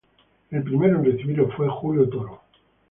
El primero en recibirlo fue Julio Toro.